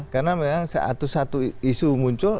karena seatu satu isu muncul